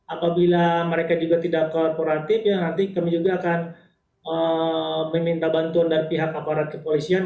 apabila mereka juga tidak korporatif ya nanti kami juga akan meminta bantuan dari pihak aparat kepolisian